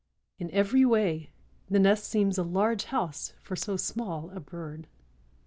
In every way the nest seems a large house for so small a bird.